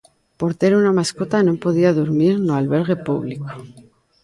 Por ter unha mascota non podía durmir no albergue público.